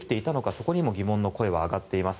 そこにも疑問の声は上がっています。